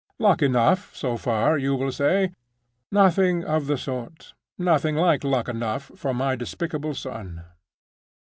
Luck enough so far, you will say. Nothing of the sort; nothing like luck enough for my despicable son.